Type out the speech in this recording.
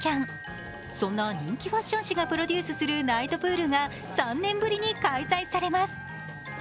そんな人気ファッション誌がプロデュースするナイトプールが３年ぶりに開催されます。